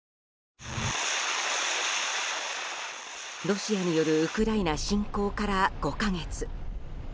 ロシアによるウクライナ侵攻から５か月。